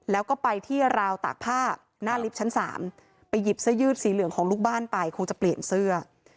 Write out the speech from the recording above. แล้วก็ไปที่ราวตากผ้าหน้าลิฟท์ชั้น๓ไปหยิบเสื้อยืดสีเหลืองของลูกบ้านไปคงจะเปลี่ยนเสื้อ